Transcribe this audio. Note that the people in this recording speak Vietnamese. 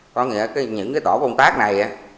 có nghĩa là những tổ công tác này